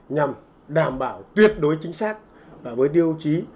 nhằm đảm bảo tuyệt đối chính xác với tiêu chí